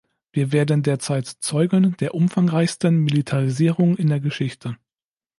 Wir werden derzeit Zeugen der umfangreichsten Militarisierung in der Geschichte.